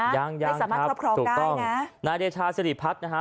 ยังถูกต้องไม่สามารถครบครองได้นะนายเดชาศิริพัฒน์นะ